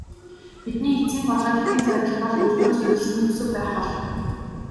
Бидний эцсийн болоод хэтийн зорилт бол үр дүнд суурилсан төсөв байх болно.